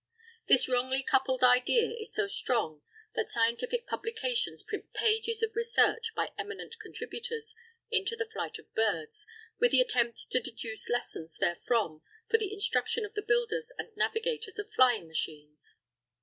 This wrongly coupled idea is so strong that scientific publications print pages of research by eminent contributors into the flight of birds, with the attempt to deduce lessons therefrom for the instruction of the builders and navigators of flying machines.